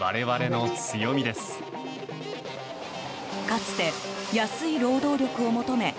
かつて、安い労働力を求め